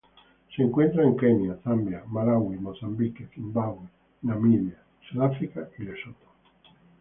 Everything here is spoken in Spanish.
Se encuentra en Kenia Zambia, Malaui, Mozambique, Zimbabue, Namibia, Sudáfrica y Lesoto.